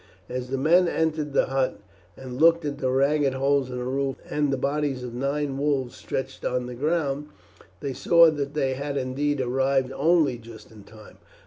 As the men entered the hut and looked at the ragged holes in the roof and the bodies of nine wolves stretched on the ground, they saw that they had, indeed, arrived only just in time.